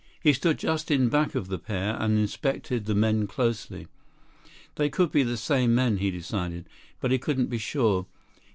He stood just in back of the pair and inspected the men closely. They could be the same men, he decided. But he couldn't be sure.